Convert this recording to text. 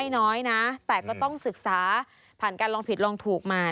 พี่ทศพรบอกว่าเดือนนึงนี้นะ